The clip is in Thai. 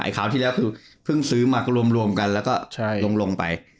คราวที่แล้วคือเพิ่งซื้อมารวมกันแล้วก็ลงไป